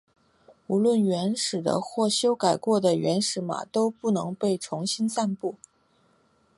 无论原始的或修改过的原始码都不能被重新散布。